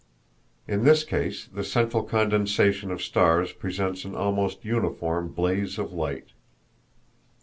In this case the central condensation of stars presents an almost uniform blaze of light.